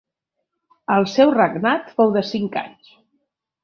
El seu regnat fou de cinc anys.